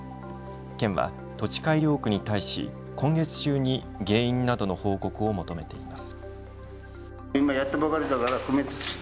県は土地改良区に対し今月中に原因などの報告を求めています。